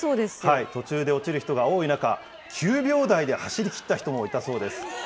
途中で落ちる人が多い中、９秒台で走りきった人もいたそうです。